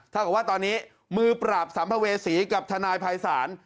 กับว่าตอนนี้มือปราบสัมภเวษีกับทนายภัยศาล